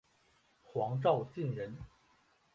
黄兆晋人。